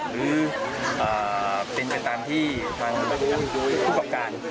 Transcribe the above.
หรือเป็นกับตามที่คุณผู้กรรมกาล